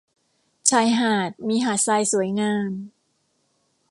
ชายหาดมีหาดทรายสวยงาม